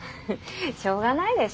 しょうがないでしょ